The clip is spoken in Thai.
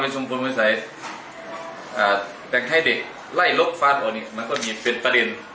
แล้วชมพลวงไว้ใส่แต่งไข้เด็กไล่ลบฟ้าตัวนี้มันก็มีเป็นประเด็น